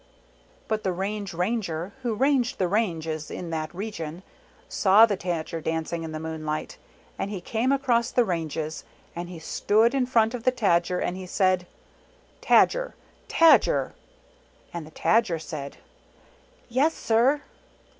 But the Range Ranger who ranged the ranges in that region, saw the Tajer dancing in the moonlight, and he came across the ranges, and he stood in front of the Tadger, and he said, "Tajer! Tajer!" And the Tajer said, " Yes, sir!